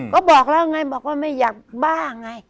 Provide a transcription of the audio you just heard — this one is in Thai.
ก็บอกแล้วไงบอกว่าไม่อยากบ้าไง